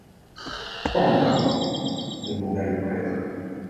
Quoi encore? demanda le prêtre.